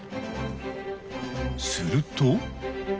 すると。